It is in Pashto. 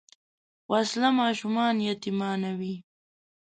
وسله ماشومان یتیمانوي